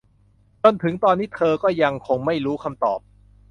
จนถึงตอนนี้เธอก็ยังคงไม่รู้คำตอบ